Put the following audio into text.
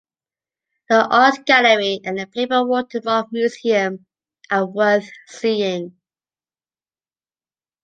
The Art Gallery and the Paper Watermark Museum are worth seeing.